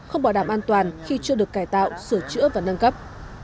không bảo đảm an toàn khi chưa được cải tạo sửa chữa và nâng cấp